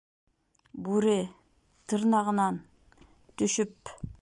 Бүре... тырнағынан... төшөп...